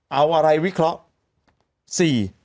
เอาอะไรวิเคราะห์